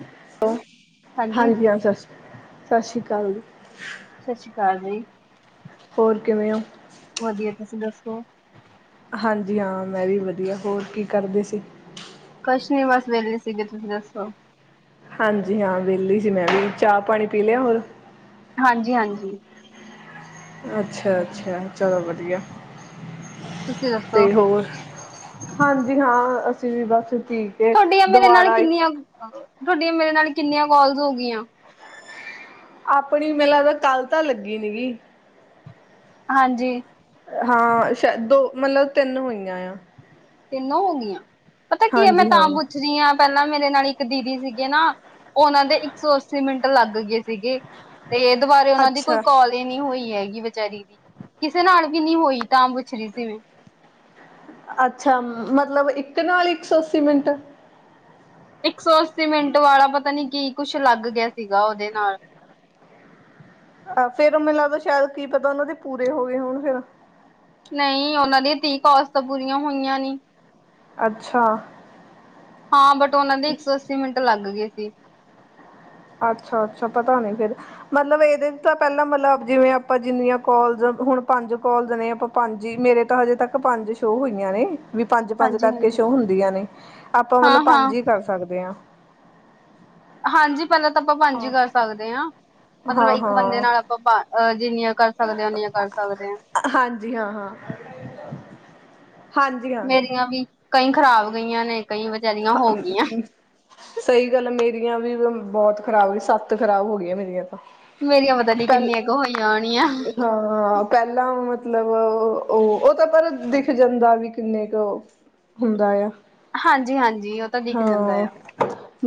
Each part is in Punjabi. ਹੈਲੋ, ਹਾਂਜੀ ਹਾਂ ਸਤਿ ਸ਼੍ਰੀ, ਸਤਿ ਸ਼੍ਰੀ ਅਕਾਲ, ਸਤਿ ਸ੍ਰੀ ਅਕਾਲ ਜੀ, ਹੋਰ ਕਿਵੇਂ ਹੋ? ਵਧੀਆ ਤੁਸੀਂ ਦੱਸੋ? ਹਾਂਜੀ ਹਾਂ ਮੈਂ ਵੀ ਵਧੀਆ ਹੋਰ ਕੀ ਕਰਦੇ ਸੀ। ਕੁਛ ਨੀ ਬਸ ਵੇਲੇ ਸੀਗੇ ਤੁਸੀਂ ਦੱਸੋ? ਹਾਂਜੀ ਹਾਂ ਵਿਹਲੀ ਸੀ ਮੈਂ ਵੀ ਚਾਹ ਪਾਣੀ ਪੀ ਲਿਆ ਹੋਰ। ਹਾਂਜੀ ਹਾਂਜੀ। ਅੱਛਾ-ਅੱਛਾ ਚਲੋ ਵਦੀਆ। ਤੁਸੀਂ ਦੱਸੋ ਤੇ ਹੋਰ ਹਾਂਜੀ ਹਾਂ ਅਸੀਂ ਵੀ ਬੱਸ ਠੀਕ ਹੈ ਤੁਹਾਡੀਆਂ ਮੇਰੇ ਨਾਲ ਦੁਬਾਰਾ ਕਿੰਨੀਆਂ ਤੁਹਾਡੀਆਂ ਮੇਰੇ ਨਾਲ ਕਿੰਨੀਆਂ ਕੋਾਲਸ ਹੋ ਗਈਆਂ? ਆਪਣੀ ਮੈ ਲੱਗਦਾ ਕਾੱਲ ਤਾਂ ਲੱਗੀ ਨੀ ਗੀ। ਹਾਂਜੀ। ਹਾਂ ਸ਼ਾਯਦ ਦੋ ਮਤਲਬ ਤਿੰਨ ਹੋਈਆਂ ਆ। ਤਿੰਨੋ ਹੋ ਗਿਆਂ। ਪਤਾ ਕੀ ਐ ਮੈਂ ਹਾਂਜੀ ਤਾਂ ਹਾਂ। ਪੁੱਛ ਰੀ ਆ ਪਹਿਲਾਂ ਮੇਰੇ ਨਾਲ ਇੱਕ ਦੀਦੀ ਸੀਗੇ ਨਾ ਉਹਨਾਂ ਦੇ ਇੱਕ ਸੌ ਅੱਸੀ ਮਿੰਟ ਲੱਗ ਗਏ ਸੀਗੇ। ਤੇ ਇਹ ਦ ਬਾਰੇ ਉਹਨਾਂ ਦੀ ਕੋਈ ਅੱਛਾ। ਕਾਲ ਈ ਨਈ ਹੋਈ ਹੈਗੀ। ਕੀ ਵੇਚਾਰੀ ਕਿਸੇ ਨਾਲ ਵੀ ਨੀ ਹੋਈ ਤਾਂ ਪੁੱਛ ਰਈ ਸੀ ਮੈਂ ਅੱਛਾ ਮਤਲਬ ਇੱਕ ਨਾਲ ਇੱਕ ਸੌ ਅੱਸੀ ਮਿੰਟ ਇੱਕ ਸੌ ਅੱਸੀ ਮਿੰਟ ਵਾਲਾ ਪਤਾ ਨੀ ਕੀ ਕੁਛ ਲੱਗ ਗਿਆ ਸੀਗਾ ਉਹਦੇ ਨਾਲ ਫੇਰ ਮੈਨੂੰ ਲੱਗੋ ਸ਼ਾਇਦ ਕੀ ਪਤਾ ਉਹਨਾਂ ਦੇ ਪੂਰੇ ਹੋ ਗਏ ਹੁਣ ਫਿਰ ਨਹੀਂ ਉਹਨਾਂ ਦੀ ਤੀਹ ਕੋਲਸ ਪੂਰੀਆਂ ਹੋਈਆਂ ਨੀ। ਅੱਛਾ। ਹਾਂ ਬਟ ਉਹਨਾ ਦੇ ਇੱਕ ਸੌ ਅੱਸੀ ਮਿੰਟ ਲੱਗ ਲਗ ਗਏ ਸੀ। ਅੱਛਾ ਅੱਛਾ ਪਤਾ ਨੀ ਫਿਰ ਮਤਲਬ ਇਹਦੇ ਤਾਂ ਪਹਿਲਾਂ ਮਤਲਬ ਜਿਵੇਂ ਆਪਾਂ ਜਿੰਨੀਆਂ ਕੋਲਸ ਹੁਣ ਪੰਜ ਕੋਲਸ ਨੇ ਅਪਾਂ ਪੰਜ ਮੇਰੇ ਤਾਂ ਹਜੇ ਤੱਕ ਪੰਜ ਸ਼ੋਅ ਹੋਈਆਂ ਨੇ ਵੀ ਪੰਜ ਪੰਜ ਕਰਕੇ ਹਾਂਜੀ-ਹਾਂਜੀ। ਸ਼ੋਅ ਹੁੰਦੀਆਂ ਨੇ ਆਪਾਂ ਮਤਲਬ ਹਾਂ-ਹਾਂ, ਪੰਜ ਈ ਕਰ ਸਕਦੇ ਆ। ਹਾਂਜੀ। ਪਹਿਲਾਂ ਤਾਂ ਆਪਾਂ ਪੰਜ ਹੀ ਹਾਂ ਕਰ ਸਕਦੇ ਆ ਮਤਲਬ ਹਾਂ ਇੱਕ ਬੰਦੇ ਹਾਂ ਨਾਲ ਆਪਾਂ ਅਹ ਜਿੰਨੀਆਂ ਕਰ ਸਕਦੇ ਆ ਉਓਨੀਆਂ ਕਰ ਸਕਦੇ ਆ। ਹਾਂਜੀ ਹਾਂ ਹਾਂ ਮੇਰੀਆਂ ਵੀ ਕਈ ਖਰਾਬ ਹ [unintelligible] ਸਈ ਗੱਲ ਮੇਰੀਆਂ ਵੀ ਬਹੁਤ ਖਰਾਬ ਹੋਈ ਸੱਤ ਖਰਾਬ ਹੋ ਗਈਆਂ ਮੇਰੀਆਂ। ਤਾਂ ਮੇਰੀਆਂ ਪਤਾ ਨੀ ਪਹਿਲ ਕਿੰਨੀਆਂ ਕੁ ਹੋਈ ਜਾਣੀਆਂ। ਹਾਂ ਪਹਿਲਾਂ ਮਤਲਬ ਉਹ ਉਹ ਤਾਂ ਪਰ ਦਿਖ ਜਾਂਦਾ ਵੀ ਕਿੰਨੇ ਕੁ ਹੁੰਦਾ ਆ। ਹਾਂਜੀ ਹਾਂਜੀ ਉਹ ਤਾਂ ਦਿਖ ਜਾਂਦਾ ਆ।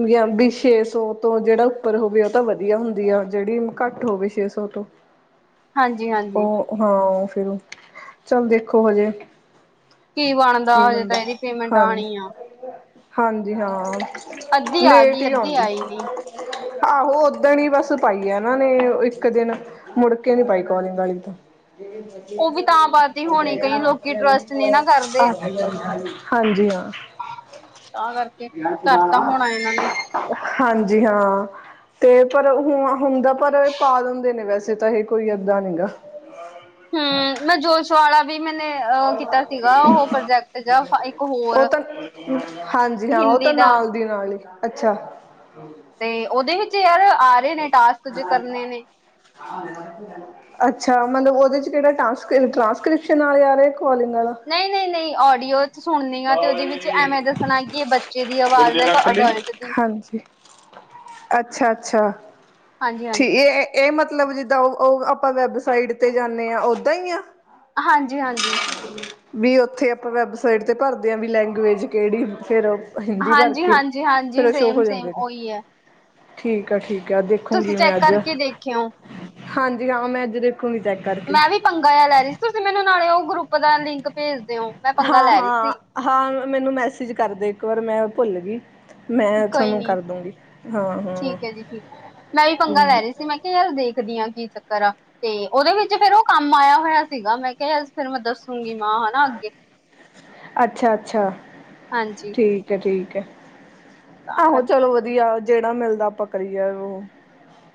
ਜਾਂ ਵੀ ਛੇ ਸੌ ਤੋਂ ਜਿਹੜਾ ਉੱਪਰ ਹੋਵੇ ਉਹ ਤਾਂ ਵਧੀਆ ਹੁੰਦੀ ਆ ਜਿਹੜੀ ਘੱਟ ਹੋਵੇ ਛੇ ਸੌ ਤੋਂ ਹਾਂਜੀ-ਹਾਂਜੀ। ਉਹ ਹਾਂ। ਚੱਲ ਦੇਖੋ ਹਜੇ, ਕੀ ਬਣਦਾ ਕੀ ਹਜੇ ਤਾਂ ਹੁੰਦਾ ਇਹਦੀ ਪੇਮੈਂਟ ਹਾਂਜੀ ਆਣੀ ਐ, ਹਾਂਜੀ ਹਾਂ ਅੱਧੀ ਆ ਲੇਟ ਗਈ ਹੀ ਅੱਧੀ ਆਉਂਦੀ। ਆਈ ਨੀ। ਆਹੋ ਓਦਣ ਹੀ ਬਸ ਪਾਈ ਆ ਐਨਾਂ ਨੇ ਇੱਕ ਦਿਨ ਮੁੜ ਕੇ ਨੀ ਪਾਈ ਕੋਲਿੰਗ ਵਾਲੀ ਤਾਂ। ਉਹ ਵੀ ਤਾਂ ਪਾਤੀ ਹੋਣੀ ਕਈ ਲੋਕੀ ਟਰਸਟ ਨੀ ਨਾ ਕਰਦੇ। ਹਾਂਜੀ ਹਾਂ। ਤਾਂ ਕਰਕੇ ਕਰ ਤਾਂ ਹੋਣਾ ਏਨਾਂ ਨੇ। ਹਾਂਜੀ ਹਾਂ ਤੇ ਪਰ ਹੁ ਹੁੰਦਾ ਪਰ ਪਾ ਦਿੰਦੇ ਨੇ ਵੈਸੇ ਤਾਂ ਇਹ ਕੋਈ ਅੱਧਾਂ ਨੀ ਗਾ। ਹੂਂ ਮੈਂ ਜੋਸ਼ ਵਾਲਾ ਵੀ ਮੈਨੇ ਅ ਕੀਤਾ ਸੀਗਾ ਉਹ ਪ੍ਰੋਜੈਕਟ ਜਾ ਇੱਕ ਹੋਰ ਉਹ ਤਾਂ ਹਾਂਜੀ ਹਾਂ ਉਹ ਹਿੰਦੀ ਤਾਂ ਦਾ। ਨਾਲ ਦੀ ਨਾਲ ਹੀ ਅੱਛਾ। ਤੇ ਓਦੇ ਵਿੱਚ ਯਾਰ ਆ ਰਹੇ ਨੇ ਟਾਸਕ ਜੇ ਕਰਨੇ ਨੇ। ਅੱਛਾ ਮਤਲਬ ਉਹਦੇ ਚ ਕਿਹੜਾ ਟਾਂਸਕਰਿ ਟਰਾਂਸਕ੍ਰਿਪਸ਼ਨ ਆਲੇ ਆ ਰੇ ਨਈ ਨਈ ਨਈ ਆਡੀਓ ਚ ਸੁਣਨੀ ਆ ਤੇ ਉਹਦੇ ਵਿੱਚ ਐਵੇਂ ਦੱਸਣਾ ਕਿ ਇਹ ਬੱਚੇ ਦੀ ਬਿੱਲੀ ਆਵਾਜ਼ ਹੈ ਕ ਰੱਖ ਲਈ। ਅਡਲਟ ਦੀ। ਹਾਂਜੀ ਅੱਛਾ ਅੱਛਾ। ਠੀ ਹਾਂਜੀ-ਹਾਂਜੀ, ਏ ਏ ਮਤ ਮਤਲਬ ਜਿੱਦਾਂ ਓ ਓ ਆਪਾਂ ਵੈਬਸਾਈਟ ਤੇ ਜਾਂਨੇ ਆਂ ਓਦਾਂ ਹੀ ਆ। ਹਾਂਜੀ ਹਾਂਜੀ। ਵੀ ਓਥੇ ਆਪਾਂ ਵੈਬਸਾਈਟ ਤੇ ਭਰਦੇ ਹਾਂ ਵੀ ਲੈਂਗਵੇਜ ਕੇੜੀ ਫੇਰ। ਹਾਂਜੀ ਹਾਂਜੀ ਹਾਂਜੀ ਸੇਮ ਸੇਮ ਜਾਂਦੇ ਨੇ। ਓਹੀ ਹੈ। ਠੀਕ ਆ ਠੀਕ। ਆ ਤੁਸੀ ਦੇਖੂੰਗੀ ਮੈਂ ਚੈਕ ਅੱਜ ਕਰਕੇ ਦੇਖਿਓ, ਹਾਂਜੀ ਹਾਂ ਮੈਂ ਅੱਜ ਦੇਖੂੰਗੀ ਚੈੱਕ ਕਰਕੇ ਮੈਂ ਵੀ ਪੰਗਾ ਆ ਲੈ ਰਹੀ ਸੀ ਤੁਸੀ ਮੈਨੂੰ ਨਾਲੇ ਉਹ ਗਰੁੱਪ ਦਾ ਲਿੰਕ ਭੇਜ ਦਿਓ ਮੈਂ ਪੰਗਾ ਹਾਂ ਲੈ ਰਹੀ ਹਾਂ ਸੀ। ਹਾਂ। ਮੈਨੂੰ ਮੈਸੇਜ ਕਰਦੇ ਇੱਕ ਵਾਰ ਮੈਂ ਭੁੱਲ ਗੀ। ਕੋਈ ਨੀ ਹਾਂ ਹਾਂ ਠੀਕ ਹੈ ਜੀ ਠੀਕ । ਮੈਂ ਵੀ ਪੰਗਾ ਹੂੰ ਲੈ ਰੀ ਸੀ ਮੈਂ ਕਿਹਾ ਯਾਰ ਦੇਖਦੀ ਹਾਂ। ਕੀ ਚੱਕਰ ਆ ਤੇ ਓਦੇ ਵਿੱਚ ਫੇਰ ਉਹ ਕੰਮ ਆਇਆ ਹੋਇਆ ਸੀਗਾ ਮੈਂ ਕਿਹਾ ਫਿਰ ਮੈਂ ਦੱਸੂਗੀ ਮਾਂ ਹਨਾ ਅੱਗੇ। ਅੱਛਾ ਅੱਛਾ। ਹਾਂਜੀ ਠੀਕ ਹੈ ਠੀਕ। [inaudible] ਤਾਂ ਆਹੋ ਕਰਕੇ ਚਲੋ ਵਧੀਆ। ਜੇੜਾ ਮਿਲਦਾ ਪਕਰੀਏ ਓ।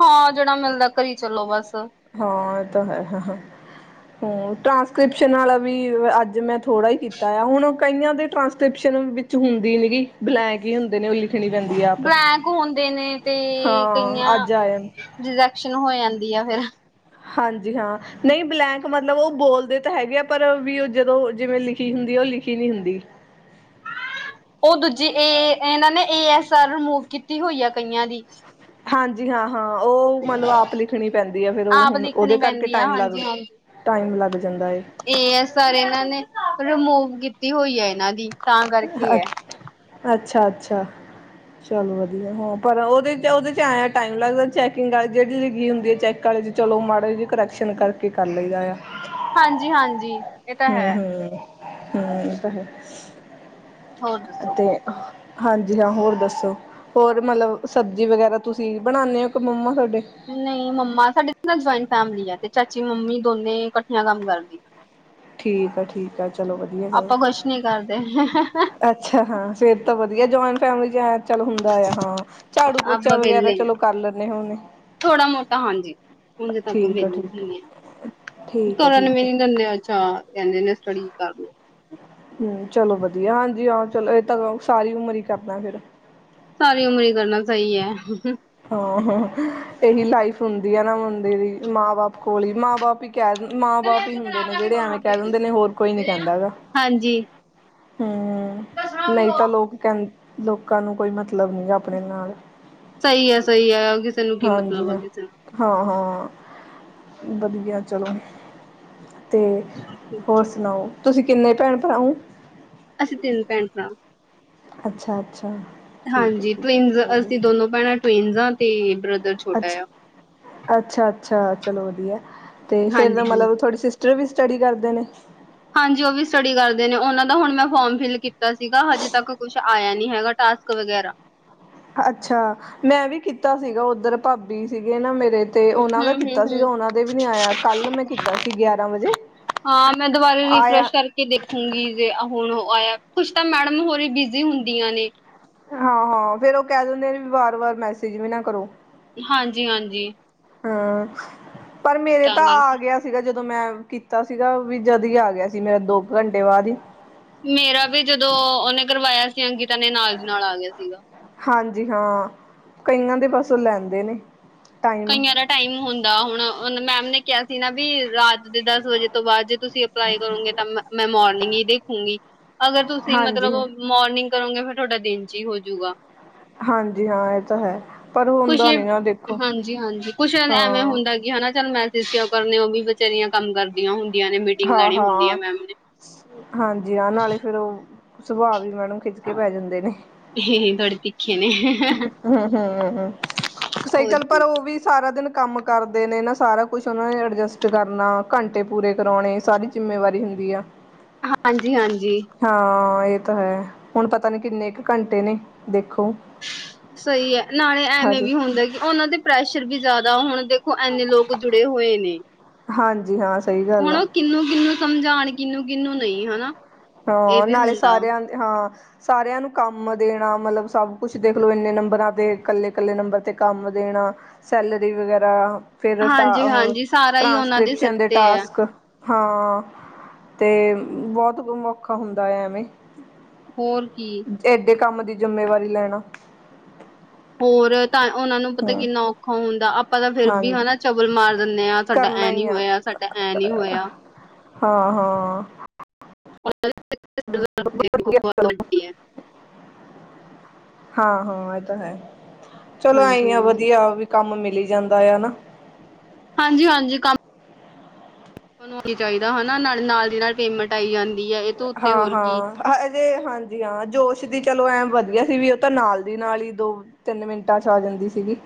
ਹਾਂ ਜੇੜਾ ਮਿਲਦਾ ਕਰੀ ਚਲੋ ਬਸ। ਹਾਂ ਏ ਤਾਂ ਹੈ ਹ ਹੀ ਹੋਰ। ਟਰਾਂਸਕ੍ਰਿਪਸ਼ਨ ਵਾਲਾ ਵੀ ਅੱਜ ਮੈਂ ਥੋੜ੍ਹਾ ਹੀ ਕੀਤਾ ਆ ਹੁਣ ਕਈਆਂ ਦੇ ਟਰਾਂਸਕ੍ਰਿਪਸ਼ਨ ਵਿੱਚ ਹੁੰਦੀ ਨੀ ਗੀ ਬਲੈਂਕ ਹੀ ਹੁੰਦੇ ਨੇ ਓ ਲੀ ਬਲੈਂਕ ਹੁੰਦੇ ਨੇ ਤੇ ਕਈਆਂ ਹਾਂ ਅੱਜ ਆਏ ਰਿਜੈਕਸ਼ਨ ਹੋਇਆ ਦੀ ਆ ਫੇਰ। ਹਾਂਜੀ ਹਾਂ ਨਹੀਂ ਬਲੈਂਕ ਮਤਲਬ ਔ ਬੋਲਦੇ ਤਾਂ ਹੈਗੇ ਆ ਪਰ ਵੀ ਉਹ ਜਦੋਂ ਜਿਵੇਂ ਲਿਖੀ ਹੁੰਦੀ ਉਹ ਲਿਖੀ ਨਹੀਂ ਹੁੰਦੀ। ਉਹ ਦੂਜੇ ਇਹ ਇਹਨਾਂ ਨੇ, ਏ, ਐਸ ਆਰ ਰਿਮੂਵ ਕੀਤੀ ਹੋਈ ਆ ਕਈਆਂ ਦੀ। ਹਾਂਜੀ, ਹਾਂ। ਹਾਂ, ਉਹ ਮਤਲਬ ਆਪ ਲਿਖਣੀ ਪੈਂਦੀ ਆ, ਫੇਰ ਉਹ ਆਪ ਹੁਣ ਲਿਖਣੀ ਉਹਦੇ ਕਰਕੇ ਪੈਂਦੀ ਆ ਟਾਈਮ ਲੱਗ- ਹਾਂਜੀ ਹਾਂਜੀ ਟਾਈਮ ਲੱਗ ਜਾਂਦਾ ਏ। ਐਸ ਆਰ ਇਹਨਾਂ ਨੇ ਰਿਮੂਵ ਕੀਤੀ ਹੋਈ ਹੈ ਇਹਨਾਂ ਦੀ। ਤਾਂ ਕਰਕੇ ਐ, ਅੱਛਾ-ਅੱਛਾ, ਚਲੋ ਵਧੀਆ ਹਾਂ, ਪਰ ਉਹਦੇ ਚ- ਉਹਦੇ ਚ ਆਇਆ ਟਾਈਮ ਲੱਗਦਾ ਚੈਕਿੰਗ ਆਲੇ ਜਿਹੜੀ ਲੱਗੀ ਹੁੰਦੀ ਆ ਚੈੱਕ ਵਾਲੇ ਚਲੋ ਮਾੜਾ ਜਿਹੀ ਕਰੈਕਸ਼ਨ ਕਰਕੇ ਕਰ ਲਈਦਾ ਆ। ਹਾਂਜੀ- ਹਾਂਜੀ। ਇਹ ਤਾਂ ਹੂੰ- ਹੈ ਹੂੰ। ਹੂੰ, ਇਹ ਤਾਂ ਹੈ। ਹੋਰ ਦੱਸੋ? ਤੇ, [unintelligible] ਹਾਂਜੀ, ਹਾਂ ਹੋਰ ਦੱਸੋ, ਹੋਰ ਮਤਲਬ ਸਬਜ਼ੀ ਵਗੈਰਾ ਤੁਸੀਂ ਬਣਾਉਨੇ ਔ ਕ ਮੰਮਾ ਤੁ- ਨਹੀਂ ਮੰਮਾ ਸਾਡੇ ਨਾਲ ਜੁਆਇਨ- ਫੈਮਲੀ ਹੈ, ਤੇ ਚਾਚੀ, ਮੰਮੀ ਦੋਨੇ ਇਕੱਠੀਆਂ ਕੰਮ ਕਰਦੀ ਆ। ਠੀਕ ਆ ਠੀਕ ਆ ਚਲੋ ਵਧੀਆ ਗੱਲ ਆਪਾਂ, ਕੁਛ ਨੀ ਕਰਦੇ। ਆ ਅੱਛਾ, ਹਾਂ ਫੇਰ ਤਾਂ ਵਧੀਆ, ਜੁਆਇੰਨ ਫੈਮਲੀ ਐ। ਚੱਲ ਹੁੰਦਾ ਆ ਹਾਂ ਝਾੜੂ, ਪੋਚਾ ਵਗੈਰਾ ਵਿਹਲੇ ਚਲੋ ਆ ਕਰ ਲੈਂਨੇ ਹੁਣੇ। ਥੋੜਾ ਮੋਟਾ [unintelligible] ਠੀਕ ਆ ਠੀਕ ਆ ਠੀਕ ਆ ਕਰਨ ਵੀ ਠੀਕ ਆ ਨੀ ਦਿੰਦੇ ਅੱਛਾ। ਕਹਿੰਦੇ ਨੇ ਸਟੱਡੀ ਕਰਲੋ। ਹੂੰ, ਚਲੋ ਵਧੀਆ, ਹਾਂਜੀ ਹਾਂ ਚਲੋ ਇਹ ਤਾਂ ਸਾਰੀ ਉਮਰ ਹੀ ਕਰਨਾ ਫੇਰ। ਸਾਰੀ ਉਮਰ ਹੀ ਕਰਨਾ ਸਹੀ ਹੈ। ਹਾਂ- ਹਾਂ ਇਹੀ ਲਾਈਫ ਹੁੰਦੀ ਆ ਨਾ ਬੰਦੇ ਦੀ ਮਾਂ ਬਾਪ ਕੋਲ ਹੀ, ਮਾਂ ਬਾਪ ਹੀ। ਕਹਿ ਦ ਮਾਂ ਬਾਪ ਹੀ ਹੁੰਦੇ ਨੇ ਜਿਹੜੇ ਐਵੇਂ ਕਹਿ ਦਿੰਦੇ ਨੇ ਹੋਰ ਕੋਈ ਨੀ ਕਹਿੰਦਾ ਹੈਗਾ। ਹਾਂਜੀ। ਹੂੰ, ਨਹੀਂ ਤਾਂ ਲੋਕ ਕਹਿੰ- ਲੋਕਾਂ ਨੂੰ ਕੋਈ, ਮਤਲਬ ਨਹੀਂ ਆਪਣੇ ਨਾਲ ਸਹੀ ਹੈ- ਸਹੀ ਹੈ। ਕਿਸੇ ਨੂੰ ਕੀ ਹਾਂਜੀ ਮਤਲਬ ਆ ਹਾ, ਕਿਸੇ ਨੂੰ ਹਾਂ- ਹਾਂ। ਵਧੀਆ ਚਲੋ। ਤੇ ਹੋਰ ਸੁਣਾਓ? ਤੁਸੀਂ ਕਿੰਨੇ ਭੈਣ, ਭਰਾਓ ਔ? ਅਸੀਂ ਤਿੰਨ ਭੈਣ, ਭਰਾ। ਅੱਛਾ। ਅੱਛਾ ਠੀਕ ਹੈ ਹਾਂਜੀ ਠੀਕ ਹੈ ਟਵਿੰਨਜ਼, ਚਲੋ ਅਸੀਂ ਵਧੀਆ ਦੋਨੋ ਭੈਣਾਂ ਟਵਿਨਜ਼ਾਂ ਤੇ- ਬ੍ਰਦਰ ਛੋਟਾ ਆ ਅੱਛਾ- ਅੱਛਾ। ਅੱਛਾ, ਚਲੋ ਵਧੀਆ। ਤੇ, ਫਿਰ ਤਾਂ ਹਾਂਜੀ ਹਾਂਜੀ। ਮਤਲਬ ਥੋੜੀ ਸੀ- ਸਿਸਟਰ ਵੀ ਸਟੱਡੀ ਕਰਦੇ ਨੇ। ਹਾਂਜੀ ਉਹ ਵੀ ਸਟੱਡੀ ਕਰਦੇ ਨੇ ਉਹਨਾਂ ਦਾ ਹੁਨ ਮੈਂ ਫੋਮ ਫਿਲ ਕੀਤਾ ਸੀਗਾ ਹਜੇ ਤੱਕ ਕੁਛ ਆਇਆ ਨੀ ਹੈਗਾ ਟਾਸਕ ਵਗੈਰਾ। ਅੱਛਾ, ਮੈਂ ਵੀ ਕੀਤਾ ਸੀਗਾ, ਉੱਧਰ ਭਾਬੀ ਸੀਗੇ ਨਾ ਮੇਰੇ ਤੇ ਉਹਨਾਂ ਹੂੰ ਦਾ ਹੂੰ ਕੀਤਾ ਸੀਗਾ, ਹੂੰ ਉਹਨਾਂ ਦੇ ਵੀ ਨੀ ਆਇਆ ਕੱਲ ਮੈਂ ਕੀਤਾ ਸੀ ਗਿਆਰਾਂ ਵਜੇ ਹਾਂ ਮੈਂ ਦੁਬਾਰਾ ਆਇਆ। ਹੁਨ ਓ ਆਯਾ ਕੁੱਛ ਤਾਂ ਮੈਡਮ ਹੋਰੀ ਬਿਜ਼ੀ ਹੁੰਦੀਆਂ ਨੇ। ਹਾਂ, ਹਾਂ ਫੇਰ ਉਹ ਕਹਿ ਦਿੰਦੇ ਵੀ ਵਾਰ-ਵਾਰ ਮੈਸੇਜ ਵੀ ਨਾ ਕਰੋ। ਹਾਂਜੀ, ਹਾਂਜੀ। ਹਾਂ। ਪਰ ਮੇਰੇ ਤਾਂ ਆ ਗਿਆ ਸੀਗਾ ਜਦੋਂ ਜਦੋਂ ਮੈਂ ਕੀਤਾ ਸੀਗਾ ਵੀ ਜਦ ਈ ਆ ਗਿਆ ਸੀ ਮੇਰਾ ਦੋ ਕੁ ਘੰਟੇ ਬਾਦ ਈ ਮੇਰਾ ਵੀ ਜਦੋਂ ਉਹਨੇ ਕਰਵਾਇਆ ਸੀ ਅੰਕਿਤਾ ਨੇ, ਨਾਲ ਦੀ ਨਾਲ ਆ ਗਿਆ ਸੀਗਾ। ਹਾਂਜੀ, ਹਾਂ ਕਈਆਂ ਦੇ ਬਸ ਉਹ ਲੈਂਦੇ ਨੇ। ਟਾਈਮ ਕਈਆਂ ਦਾ ਟਾਈਮ ਹੁੰਦਾ ਹੁਣ ਉਨ ਮੈਮ ਨੇ ਕਿਹਾ ਸੀ ਨਾ ਵੀ ਰਾਤ ਦਸ ਵਜੇ ਤੋਂ ਬਾਅਦ ਜੇ ਤੁਸੀਂ ਅਪਲਾਈ ਕਰੋਗੇ ਤਾਂ ਮੈਂ ਮੋਰਨਿੰਗ ਹੀ ਦੇਖੂਗੀ ਅਗਰ ਤੁਸੀਂ ਹਾਂਜੀ ਮਤਲਬ ਓ ਮੋਰਨਿੰਗ ਕਰੋਂਗੇ ਫੇਰ ਤੁਹਾਡਾ ਦਿਨ ਚ ਈ ਹੋਜੂਗਾ। ਹਾਂਜੀ, ਹਾਂ ਇਹ ਤਾਂ ਹੈ। ਪਰ ਕੁਛ ਹੁੰਦਾ ਨੀ ਨਾ ਦੇਖੋ ਹਾਂਜੀ, ਹਾਂਜੀ, ਕੁਛ ਐਵੇਂ ਹਾਂ ਹੁੰਦਾ ਕਿ ਹਨਾ ਚੱਲ ਮੈਂ [unintelligible] ਕਰਨੇ ਉਹ ਵੀ ਬਚਾਰੀਆਂ ਕੰਮ ਕਰਦੀਆਂ ਹੁੰਦ ਨੇ ਮੀਟਿੰਗ ਹਾਂ ਲੈਣੀ ਹੁੰਦੀ ਆ ਹਾਂ ਮੈਮ ਨੇ। ਹਾਂਜੀ, ਹਾਂ ਨਾਲੇ ਫੇਰ ਉਹ ਸੁਭਾਵਿਕ। ਥੋੜੇ ਤਿੱਖੇ ਨੇ। ਹੂੰ, ਹੂੰ, ਹੂੰ, ਹੋਰ ਸਾਈਕਲ ਕੀ ਪਰ ਉਹ ਵੀ ਸਾਰਾ ਦਿਨ ਕੰਮ ਕਰਦੇ ਨੇ ਨਾ ਸਾਰਾ ਕੁਛ ਉਹਨਾਂ ਨੇ ਅਡਜਸਟ ਕਰਨਾ ਘੰਟੇ ਪੂਰੇ ਕਰਾਉਨੇ ਸਾਰੀ ਜਿੰਮੇਵਾਰੀ ਹੁੰਦੀ ਆ। ਹਾਂਜੀ, ਹਾਂਜੀ। ਓ ਤਾ ਹੈ ਹੁਣ ਪਤਾ ਨੀ ਕਿੰਨੇ ਕੁ ਘੰਟੇ ਨੇ ਦੇਖੋ। ਸਹੀ ਏ, ਨਾਲੇ ਐਵੇਂ ਹਜੇ ਵੀ ਹੁੰਦਾ ਕਿ ਉਹਨਾਂ ਦੇ ਪ੍ਰੈਸ਼ਰ ਵੀ ਜ਼ਿਆਦਾ ਜਿਦਾ ਹੁਣ ਦੇਖੋ ਇੰਨੇ ਲੋਕ ਜੁੜੇ ਹੋਏ ਨੇ। ਹਾਂਜੀ, ਹਾਂ। ਸਹੀ ਗੱਲ ਹੁਣ ਆ ਉਹ ਕਿਨੂੰ, ਕਿਨੂੰ ਸਮਝਾਣ ਕਿਹਨੂੰ ਕਿਹਨੂੰ ਨਹੀਂ, ਹੇਨਾ। ਹਾਂ ਨਾਲੇ ਸਾਰਿਆਂ ਦੇ ਹਾਂ। ਸਾਰਿਆਂ ਨੂੰ ਕੰਮ ਦੇਣਾ ਮਤਲਬ ਸਭ ਕੁਛ ਦੇਖ ਲਓ ਇੰਨੇ ਨੰਬਰਾਂ ਤੇ ਕੱਲੇ, ਕੱਲੇ ਨੰਬਰ ਤੇ ਕੰਮ ਦੇਣਾ ਸੈਲਰੀ ਵਗੈਰਾ ਫੇਰ ਉਹ ਟਾ ਉਹ ਹਾਂਜੀ-ਹਾਂਜੀ ਸਾਰਾ ਹੀ ਉਹਨਾਂ ਸਿਰ ਟ੍ਰਾਂਸਕ੍ਰਿਪਸ਼ਨ ਦੇ ਤੇ ਹੈ ਟਾਸਕ ਹਾਂ ਤੇ ਬੋਤ ਬੋ ਓ ਔਖਾ ਹੁੰਦਾ ਹੈ ਐਵੇਂ ਹੋਰ ਕੀ ਏਡੇ ਕੰਮ ਦੀ ਜ਼ਿੰਮੇਵਾਰੀ ਲੈਣਾ ਹੋਰ ਤਾਂ ਉਹਨਾਂ ਨੂੰ ਪਤਾ ਹੂੰ ਕਿੰਨਾ ਔਖਾ ਹੁੰਦਾ ਆਪਾਂ ਤਾਂ ਫਿਰ ਵੀ ਹਾਂਜੀ ਹਨਾ ਚਬਲ ਮਾਰ ਦਿੰਦੇ ਹਾਂ ਸਾਡਾ ਕਰਨਾ ਐ ਨੀ ਹੀ ਆ ਹੋਇਆ ਸਾਡਾ ਐ ਨੀ ਹੋਇਆ ਹਾਂ ਹਾਂ ਵਧੀਆ ਚਲੋ [inaudible] ਹਾਂ ਹਾਂ ਇਹ ਤਾਂ ਹੈ ਚਲੋ ਐਈ ਹਾਂਜੀ ਆ ਹਾਂਜੀ ਵਧੀਆ ਵੀ ਕੰਮ ਮਿਲੀ ਜਾਂਦਾ ਆ ਨਾ ਹਾਂਜੀ-ਹਾਂਜੀ ਕੰਮ ਚਾਹੀਦਾ ਹਨਾ ਨਾਲ-ਨਾਲ ਦੀ ਨਾਲ ਪੇਮੈਂਟ ਆਈ ਜਾਂਦੀ ਦੀ ਆ ਇਹ ਤੋਂ ਉੱਤੇ ਹਾਂ ਹੋਰ ਕੀ ਹਾਂ ਹਾਂਜੀ ਹਾਂ ਜੋਸ਼ ਦੀ ਚਲੋ ਐ ਵਧੀਆ ਸੀ ਵੀ ਉਹ ਤਾਂ ਨਾਲ ਦੀ ਨਾਲ ਹੀ ਦੋ ਤਿੰਨ ਮਿੰਟਾਂ ਚ ਆ ਜਾਂਦੀ ਸੀਗੀ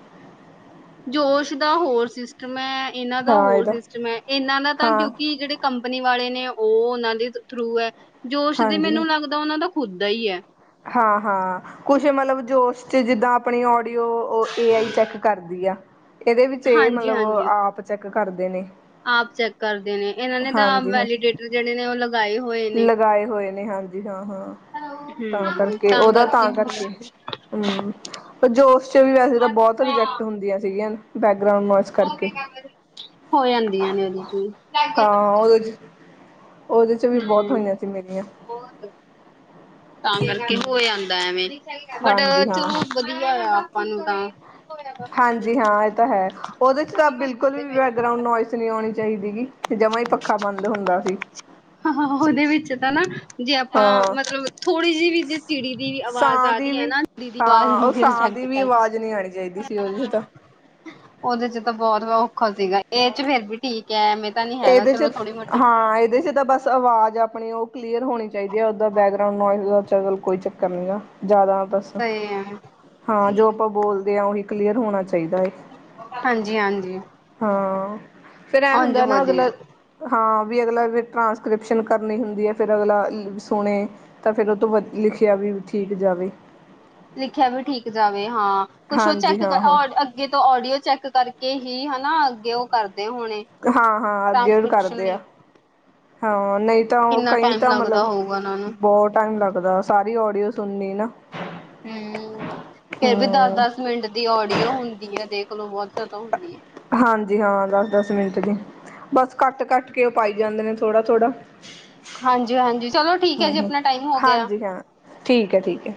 ਜੋਸ਼ ਦਾ ਹੋਰ ਸਿਸਟਮ ਹੈ ਇਹਨਾਂ ਦਾ ਹਾਂ ਹੋਰ ਇਹਦਾ ਸਿਸਟਮ ਹੈ ਇਹਨਾਂ ਦਾ ਤਾਂ ਹਾਂ ਕਿਉਂਕਿ ਜਿਹੜੇ ਕੰਪਨੀ ਵਾਲੇ ਨੇ ਉਹ ਉਹਨਾਂ ਦੇ ਥਰੂ ਹੈ ਜੋਸ਼ ਦੇ ਮੈਨੂੰ ਲੱਗਦਾ ਉਹਨਾਂ ਦਾ ਖੁੱਦ ਹੀ ਹੈ ਹਾਂ-ਹਾਂ ਕੁਛ ਮਤਲਬ ਜੋਸ਼ ਚ ਜਿੱਦਾਂ ਆਪਣੀ ਉਹ ਏ ਆਈ ਚੈੱਕ ਕਰਦੀ ਆ ਇਹਦੇ ਵਿੱਚ ਇਹ ਹਾਂਜੀ ਮਤਲਬ ਹਾਂਜੀ ਆਪ ਚੈੱਕ ਕਰਦੇ ਨੇ ਆਪ ਚੈੱਕ ਕਰਦੇ ਨੇ ਇਹਨਾਂ ਨੇ ਤਾਂ ਹਾਂਜੀ ਹਾਂ ਵੈਲੀਡੇਟਰ ਜਿੜੇ ਨੇ ਉਹ ਲਗਾਏ ਹੋਏ ਨੇ ਲਗਾਏ ਹੋਏ ਨੇ ਹਾਂਜੀ ਹਾਂ-ਹਾਂ ਤਾਂ ਕਰਕੇ ਉਹਦਾ ਤਾਂ ਕਰਕੇ ਹਮ ਜੋਸ਼ ਚ ਵੀ ਵੈਸੇ ਤਾਂ ਬਹੁਤ ਰਿਜੈਕਟ ਹੁੰਦੀਆਂ ਸੀਗੀਆਂ [inaudible] ਕਰਕੇ ਹੋ ਜਾਂਦੀਆਂ ਨੇ ਉਹ ਹਾਂ [unintelligible] [inaudible] ਬਹੁਤ ਹਮ ਹੋਈਆਂ ਸੀ ਮੇਰੀਆਂ ਤਾਂ ਕਰਕੇ ਹਮ ਹੋ ਜਾਂਦਾ ਐਵੇਂ ਬਟ ਹਾਂਜੀ ਹਾਂ ਚਲੋ ਹਾਂ ਵਧੀਆ ਆ ਆਪਾਂ [inaudible] ਹਾਂਜੀ ਹਾਂ ਇਹ ਤਾਂ ਹੈ ਉਹਦੇ ਚ ਤਾਂ ਬਿਲਕੁਲ ਵੀ ਬੈਕਗਰਾਉਂਡ ਨੋਇਸ ਨਹੀਂ ਆਉਣੀ ਚਾਹੀਦੀ ਗ ਜਮਾ ਹੀ ਪੱਖਾ ਬੰਦ ਹੁੰਦਾ ਸੀ। ਹਾਂ ਉਹਦੇ ਵਿੱਚ ਤਾਂ ਨਾ ਜੇ ਆਪਾਂ, ਹਾਂ ਮਤਲਬ ਥੋੜੀ ਜਿਹੀ ਵੀ ਜੇ ਚਿੜੀ ਦੀ ਆਵਾਜ਼ ਸਾਹ ਆ ਦੀ ਰਹੀ ਹੈ ਵੀ ਨਾ ਚਿੜੀਵਾਜ਼ ਹਾਂ ਉਹ ਸਾਹ ਆਸਪਟ ਦੀ ਵੀ ਆਵਾਜ਼ ਨਹੀਂ ਆਉਣੀ ਚਾਹੀਦੀ ਸੀ ਉਹਦੇ ਚ ਕਰ। ਤਾਂ ਉਹਦੇ ਚ ਤਾਂ ਬਹੁਤ ਵਾ ਔਖਾ ਸੀਗਾ ਇਹ ਚ ਫੇਰ ਵੀ ਤੀ ਇਹਦੇ ਚ ਹਾਂ, ਇਹਦੇ ਚ ਤਾਂ ਬਸ ਆਵਾਜ਼ ਆਪਣੀ ਉਹ ਕਲੀਅਰ ਹੋਣੀ ਚਾਹੀਦੀ। ਉਹਦਾ ਬੈਕਗਂਡ ਨੋਇਸ ਸਗਲ ਕੋਈ ਚੱਕਰ ਨੀਆ ਜ਼ਿਆਦਾ ਬਸ ਤੇ ਹਾਂ, ਜੋ ਆਪਾਂ ਬੋਲਦੇ ਕਲੀਅਰ ਹੋਣਾ ਚਾਹੀਦਾ। ਹੈ ਹਾਂਜੀ ਹਾਂਜੀ। ਹਾਂ। ਫੇਰ ਐਂ ਉਝ ਹੁੰਦਾ ਨਾ ਵਧੀਆ ਅਗਲਾ ਹਾਂ ਵੀ ਅਗਲਾ ਫਿਰ ਟਰਾਂਸਕ੍ਰਿਪਸ਼ਨ ਕਰਨੀ ਹੁੰਦੀ ਹੈ ਫਿਰ ਅਗਲਾ ਸੁਣੇ, ਤਾਂ ਫਿਰ ਉਹ ਤੋਂ ਵ ਲਿਖਿਆ ਵੀ ਠੀਕ ਜਾਵੇ। ਲਿਖਿਆ ਵੀ ਠੀਕ ਜਾਵੇ। ਹਾਂ, ਕੁਛ ਉਹ ਹਾਂਜੀ ਚੈੱਕ ਹਾਂ ਹਾਂ ਅੱਗੇ ਤੋਂ ਆਡੀਓ ਚੈੱਕ ਕਰਕੇ ਹੀ ਹਨਾ ਅੱਗੇ ਉਹ ਕਰਦੇ ਹੋਣੇ ਹਾਂ ਹਾਂ, ਅੱਗੇ ਟ੍ਰਾਂਸਕ੍ਰਿਪਸ਼ਨ ਕਰਦੇ ਲਈ ਆ ਹਾਂ, ਨਹੀਂ ਤਾਂ ਉਹ ਕਿੰਨਾ ਕਈ ਟਾਈਮ ਤਾਂ ਲੱਗਦਾ ਮਤਲਬ, ਹੋਊਗਾ ਉਹਨਾਂ ਨੂੰ ਬਹੁਤ ਟਾਈਮ ਲੱਗਦਾ ਸਾਰੀ ਓਡੀਓਸ ਸੁਨੀ ਨਾ ਹਮ, ਫੇਰ ਵੀ ਦਸ ਹਮ ਦਸ ਮਿੰਟ ਦੀ ਓਡੀਓ ਹੁੰਦੀ ਆ ਦੇਖ ਚਲੋਂ ਬਹੁਤ ਜ਼ਿਆਦਾ ਹੁੰਦੀ ਹੈ। ਹਾਂਜੀ ਹਾਂ ਦਸ -ਦਸ ਮਿੰਟ ਦੀ ਬਸ ਕੱਟ ਕੱਟ ਕੇ ਉਹ ਪਾਈ ਜਾਂਦੇ ਨੇ ਥੋੜ੍ਹਾ ਥੋੜ੍ਹਾ ਹਾਂਜੀ ਹਾਂਜੀ ਚਲੋ ਠੀਕ ਹੈ ਹਾਂ ਜੀ ਹਾਂ ਆਪਣਾ ਟਾਈਮ ਹੋ ਗਿਆ। ਹਾਂਜੀ ਹਾਂ ਠੀਕ ਹੈ ਠੀਕ ਹੈ